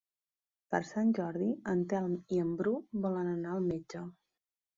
Per Sant Jordi en Telm i en Bru volen anar al metge.